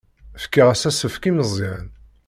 Fkiɣ-as asefk i Meẓyan.